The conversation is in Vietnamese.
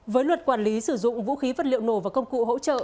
với luật quản lý sử dụng vũ khí vật liệu nổ và công cụ hỗ trợ